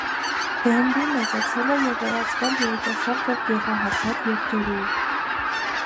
Բեմբի մեծացել է և վերածվել երիտասարդ և գեղահասակ եղջերուի։